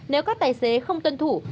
nếu các tài xế không tuân thủ